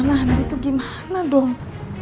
nah ndi tuh gimana dong